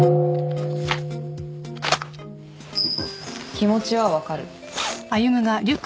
気持ちは分かる。